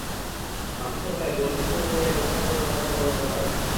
বাকি সময়ে গোল শোধের মরিয়া চেষ্টা করেও তারা সফল হতে পারেনি।